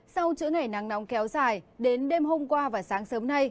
sau chữ ngày nắng nóng kéo dài đến đêm hôm qua và sáng sớm nay